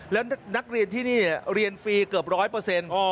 แล้วนักเรียนที่นี่เรียนฟรีเกือบร้อยเปอร์เซ็นต์